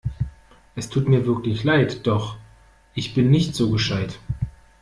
Es tut mir wirklich leid, doch ich bin nicht so gescheit!